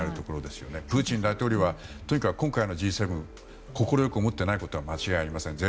プーチン大統領はとにかく今回のＧ７快く思っていないことは間違いありませんでした。